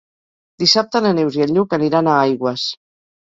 Dissabte na Neus i en Lluc aniran a Aigües.